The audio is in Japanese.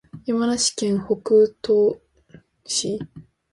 山梨県北杜市